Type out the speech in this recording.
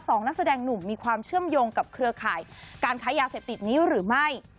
นักแสดงหนุ่มมีความเชื่อมโยงกับเครือข่ายการค้ายาเสพติดนี้หรือไม่